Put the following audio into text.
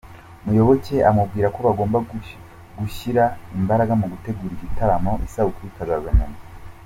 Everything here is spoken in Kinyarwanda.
Muyoboke amubwira ko bagomba gushyira imbaraga mu gutegura igitaramo isabukuru ikazaza nyuma.